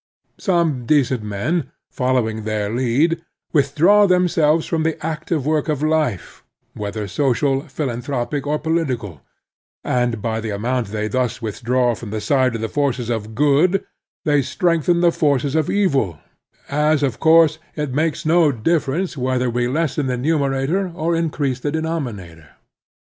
Some decent men, following their lead, withdraw themselves from the active work of life, whether social, philan thropic, or political, and by the amount they thus withdraw from the side of the forces of good they strengthen the forces of evil, as, of course, it makes no difference whether we lessen the numerator or increase the denominator.